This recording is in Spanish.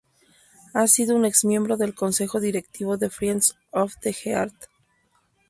Ha sido un ex miembro del consejo directivo de Friends of the Earth.